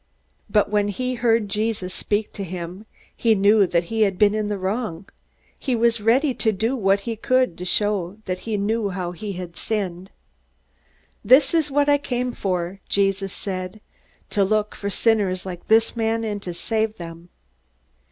But when he heard Jesus speak to him, he knew that he had been in the wrong. He was ready to do what he could to show that he knew how he had sinned. "This is what I came for," Jesus said, "to look for sinners like this man and to save them."